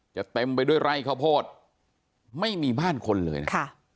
เต็มไปด้วยไร่ข้าวโพดไม่มีบ้านคนเลยนะคะ